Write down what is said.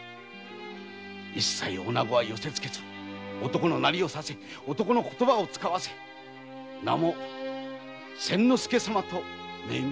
いっさい女を寄せ付けず男の形をさせ男の言葉を遣わせ名も千之助様と命名。